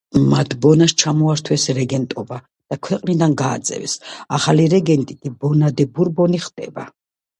მათ ბონას ჩამოართვეს რეგენტობა და ქვეყნიდან გააძევეს, ახალი რეგენტი კი ბონა დე ბურბონი ხდება.